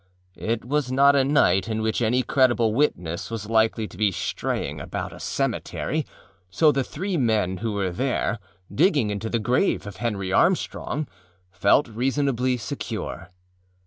It was not a night in which any credible witness was likely to be straying about a cemetery, so the three men who were there, digging into the grave of Henry Armstrong, felt reasonably secure.